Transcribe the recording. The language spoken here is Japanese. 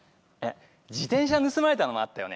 自転車盗まれたのもあったよね？